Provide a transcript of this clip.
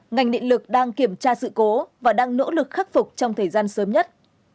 ngành điện lực đang kiểm tra sự cố và đang nỗ lực khắc phục trong thời gian sớm nhất